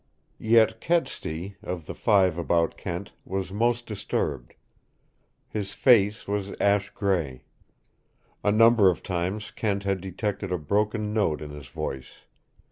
Yet Kedsty, of the five about Kent, was most disturbed. His face was ash gray. A number of times Kent had detected a broken note in his voice.